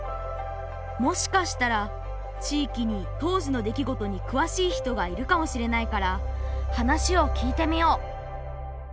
もしかしたら地域に当時の出来事にくわしい人がいるかもしれないから話を聞いてみよう。